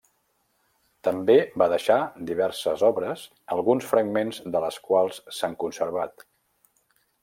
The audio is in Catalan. També va deixar diverses obres alguns fragments de les quals s'han conservat.